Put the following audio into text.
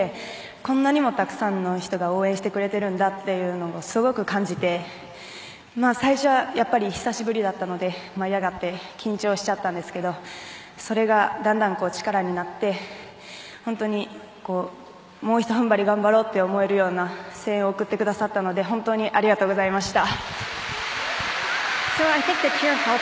こんなにもたくさんの人が応援してくれているんだというのを、すごく感じて最初は久しぶりだったので舞い上がって緊張しちゃったんですけどそれがだんだん力になって本当に、もうひと踏ん張り頑張ろうと思えるような声援を送ってくださったので本当にありがとうございました。